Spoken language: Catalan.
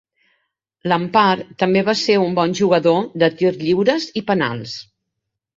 Lampard també va ser un bon jugador de tir lliures i penals.